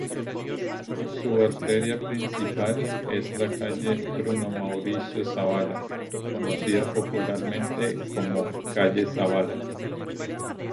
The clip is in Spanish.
Su arteria principal es la calle Bruno Mauricio Zabala, conocida popularmente como "calle Zabala".